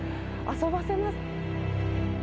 遊ばせます。